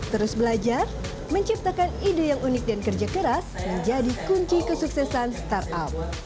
terus belajar menciptakan ide yang unik dan kerja keras menjadi kunci kesuksesan startup